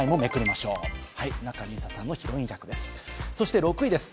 そして６位です。